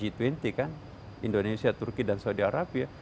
indonesia turki dan saudi arabia